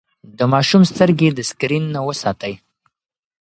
د ماشوم سترګې د سکرين نه وساتئ.